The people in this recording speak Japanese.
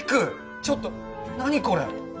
ちょっと何これ！？